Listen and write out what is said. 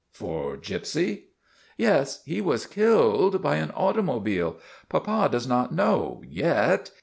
"For Gypsy?" Yes, he was killed by an automobile. Papa does not know yet.